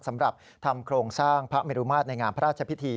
สำหรับทำโครงสร้างพระเมรุมาตรในงานพระราชพิธี